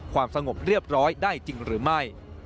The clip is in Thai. ความสงบเรียบร้อยได้จริงหรือไม่